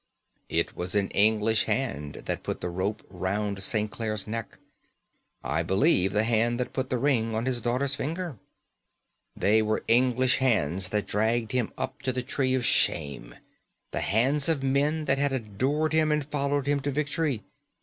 "It was an English hand that put the rope round St. Clare's neck; I believe the hand that put the ring on his daughter's finger. They were English hands that dragged him up to the tree of shame; the hands of men that had adored him and followed him to victory.